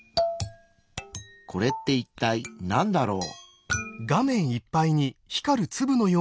これって一体なんだろう？